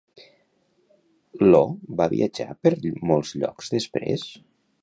Io va viatjar per molts llocs després?